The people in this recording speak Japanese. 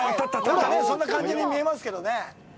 なんか、そんな感じに見えますけどね。